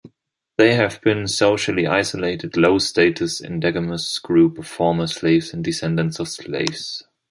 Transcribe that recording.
They have been socially-isolated, low-status, endogamous group of former slaves or descendants of slaves.